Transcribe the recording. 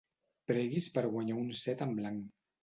Preguis per guanyar un set en blanc.